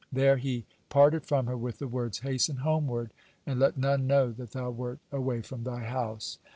There he parted from her with the words: "Hasten homeward, and let none know that thou wert away from thy house."